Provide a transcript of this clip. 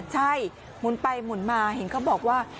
ใช่หมุนไปหมุนมาเห็นเขาบอกว่า